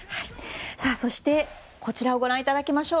そして、こちらをご覧いただきましょう。